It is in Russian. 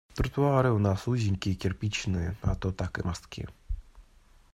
Тротуары у нас узенькие, кирпичные, а то так и мостки.